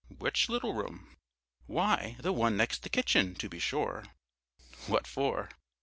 "Which little room?" "Why, the one next the kitchen, to be sure." "What for?"